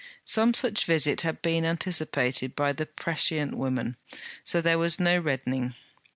Some such visit had been anticipated by the prescient woman, so there was no reddening.